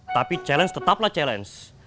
tapi challenge tetaplah challenge